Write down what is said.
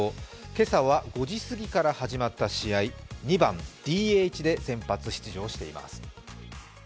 今朝は５時過ぎから始まった試合、２番ＤＨで先発出場しています。